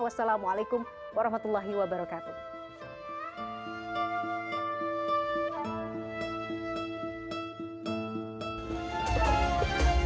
wassalamualaikum warahmatullahi wabarakatuh